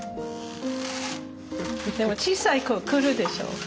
でも小さい子来るでしょ？